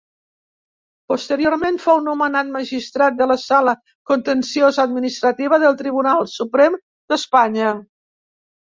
Posteriorment fou nomenat magistrat de la Sala Contenciosa-Administrativa del Tribunal Suprem d'Espanya.